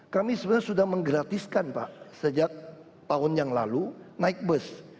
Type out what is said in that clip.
kami sebenarnya sudah menggratiskan pak sejak tahun yang lalu naik bus